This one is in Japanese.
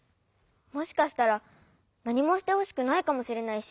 もしかしたらなにもしてほしくないかもしれないし。